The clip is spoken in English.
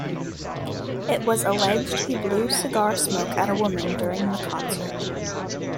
It was alleged he blew cigar smoke at a woman during the concert.